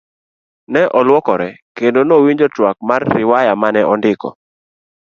Ne oluokore kendo winjo twak mar riwaya mane ondiko.